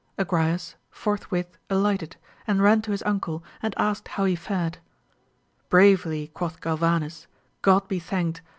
Agrayes forthwith alighted, and ran to his uncle, and asked how he fared. Bravely, quoth Galvanes, God be thanked